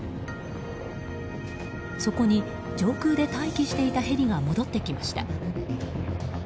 そこに上空で待機していたヘリが戻ってきました。